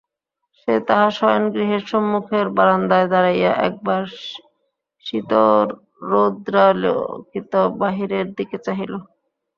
সে তাহার শয়নগৃহের সম্মুখের বারান্দায় দাঁড়াইয়া একবার শীতরৌদ্রালোকিত বাহিরের দিকে চাহিল।